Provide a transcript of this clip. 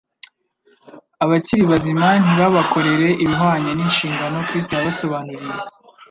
abakiri bazima ntibabakorere ibihwanye n'inshingano Kristo yabasobanuriye.